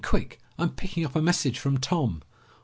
Quick! I'm picking up a message from Tom!"